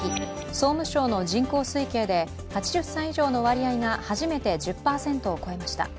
総務省の人口推計で８０歳以上の割合が初めて１０％を超えました。